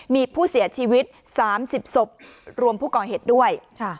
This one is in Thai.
มีผู้เสียชีวิต๓๐ศพรวมผู้ก่อเหตุด้วย